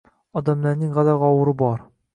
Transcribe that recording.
Odamlarning g‘ala-g‘ovuri bor.